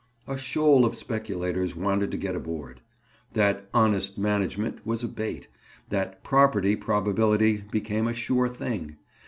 A shoal of speculators wanted to get aboard. That "honest management" was a bait; that "property" probability became a "sure thing."